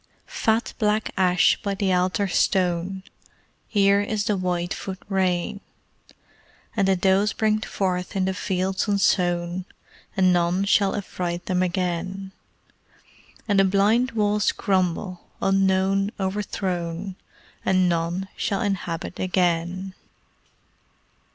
Fat black ash by the altar stone, Here is the white foot rain, And the does bring forth in the fields unsown, And none shall affright them again; And the blind walls crumble, unknown, o'erthrown And none shall inhabit again!